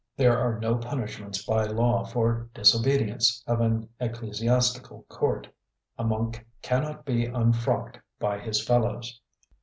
There are no punishments by law for disobedience of an ecclesiastical court. A monk cannot be unfrocked by his fellows.